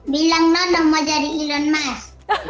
bilang nanam mau jadi elon musk